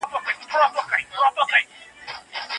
ځان کم مه ګڼـه